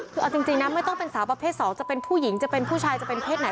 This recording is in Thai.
คือเอาจริงนะไม่ต้องเป็นสาวประเภท๒จะเป็นผู้หญิงจะเป็นผู้ชายจะเป็นเพศไหน